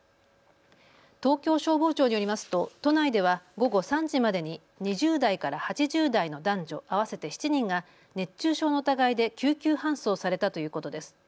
東京消防庁によりますと都内では午後３時までに２０代から８０代の男女合わせて７人が熱中症の疑いで救急搬送されたということです。